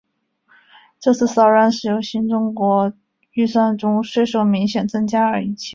这次骚乱由新国家预算中税收明显增加而引起。